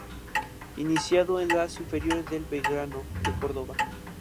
Iniciado en las inferiores de Belgrano de Córdoba.